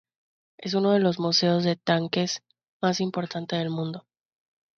Es uno de los museos de tanques más importantes del mundo.